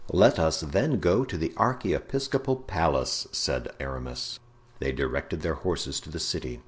"Let us then go to the archiepiscopal palace," said Aramis. They directed their horses to the city.